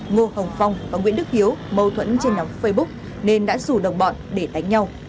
ngô hồng phong và nguyễn đức hiếu mâu thuẫn trên nóng facebook nên đã rủ đồng bọn để đánh nhau